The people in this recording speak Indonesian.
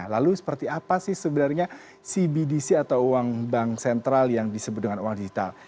lalu seperti apa sih sebenarnya cbdc atau uang bank sentral yang disebut dengan uang digital